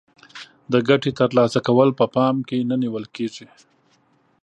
د ګټې تر لاسه کول په پام کې نه نیول کیږي.